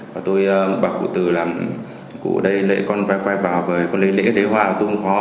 và tôi bà cụ tử là cụ ở đây lễ con phải quay vào với con lễ lễ đế hoa tôi không khó